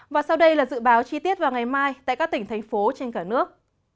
và sau đây là dự báo chi tiết vào ngày mai tại các tỉnh thành phố trên cả nước